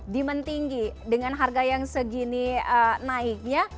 demand tinggi dengan harga yang segini naiknya